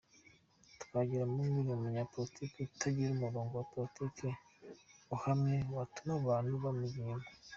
Twagiramungu ni umunyapolitiki utagira umurongo wa politiki uhamye watuma abantu bamujya inyuma .